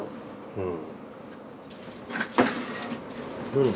うん。